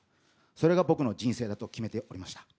それが僕の人生だと決めておりま